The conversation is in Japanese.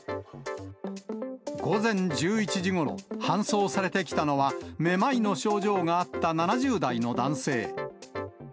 午前１１時ごろ、搬送されてきたのは、めまいの症状があった７０代の男性。